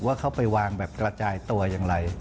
เข้าไปวางแบบกระจายตัวอย่างไร